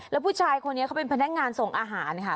แล้วผู้ชายคนนี้เขาเป็นพนักงานส่งอาหารค่ะ